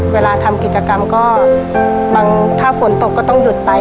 เวลาทำกิจกรรมก็บางถ้าฝนตกก็ต้องหยุดไป